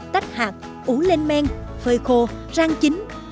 tách hạt ủ lên men phơi khô rang chính